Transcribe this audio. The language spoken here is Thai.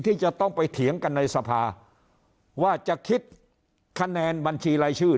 ที่จะต้องไปเถียงกันในสภาว่าจะคิดคะแนนบัญชีรายชื่อ